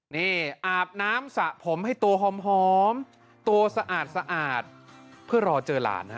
นี่อาบน้ำสระผมให้ตัวหอมตัวสะอาดเพื่อรอเจอหลานฮะ